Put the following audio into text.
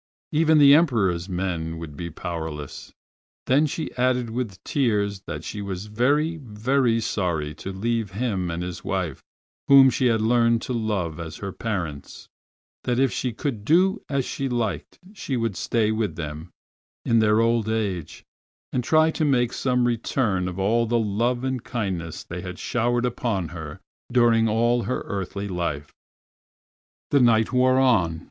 Even the Emperors men would be powerless. Then she added with tears that she was very, very sorry to leave him and his wife, whom she had learned to love as her parents, that if she could do as she liked she would stay with them in their old age, and try to make some return for all the love and kindness they had showered upon her during all her earthly life. The night wore on!